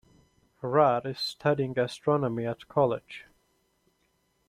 Rod is studying astronomy at college.